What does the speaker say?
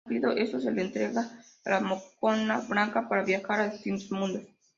Cumplido esto, se les entrega a la Mokona blanca para viajar a distintos mundos.